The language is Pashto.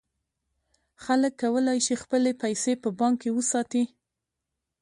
خلک کولای شي خپلې پیسې په بانک کې وساتي.